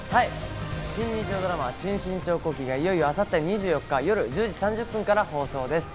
新日曜ドラマ『新・信長公記』がいよいよ明後日２４日夜１０時３０分から放送です。